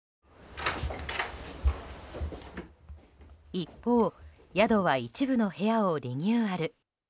一方、宿は一部の部屋をリニューアル。